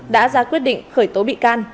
đã ra quyết định khởi tố bị can